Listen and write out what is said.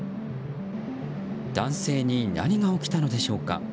男性に何が起きたのでしょうか。